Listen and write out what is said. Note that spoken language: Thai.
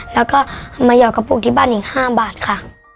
แล้วก็มาหยอดกระปุกที่บ้านอีก๕บาทค่ะ